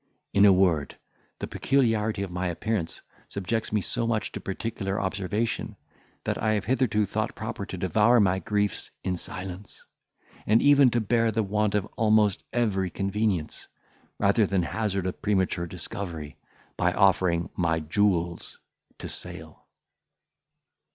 In a word, the peculiarity of my appearance subjects me so much to particular observation, that I have hitherto thought proper to devour my griefs in silence, and even to bear the want of almost every convenience, rather than hazard a premature discovery, by offering my jewels to sale.